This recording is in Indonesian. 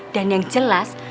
dan yang jelas